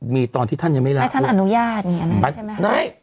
มีตอนที่ท่านยังไม่รักท่านอนุญาตอย่างนั้นใช่ไหมใช่